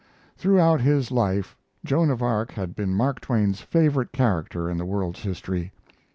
Throughout his life Joan of Arc had been Mark Twain's favorite character in the world's history.